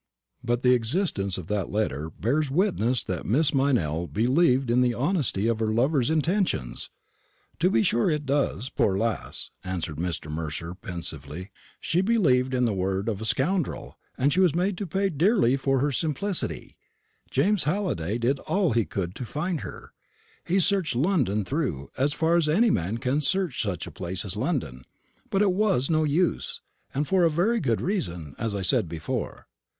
"But the existence of that letter bears witness that Miss Meynell believed in the honesty of her lover's intentions." "To be sure it does, poor lass," answered Mr. Mercer pensively. "She believed in the word of a scoundrel, and she was made to pay dearly for her simplicity. James Halliday did all he could to find her. He searched London through, as far as any man can search such a place as London; but it was no use, and for a very good reason, as I said before.